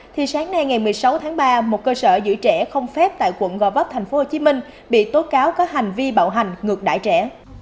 thì sáng nay ngày một mươi sáu tháng ba một cơ sở giữ trẻ không phép tại quận gò vấp tp hcm bị tố cáo có hành vi bạo hành ngược đại trẻ